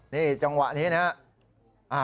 นี่จังหวะนี้นะครับ